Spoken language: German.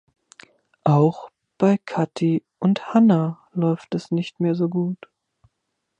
Auch bei Kati und Hanna läuft es nicht mehr so gut.